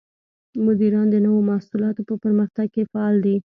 مدیران د نوو محصولاتو په پرمختګ کې فعال دي.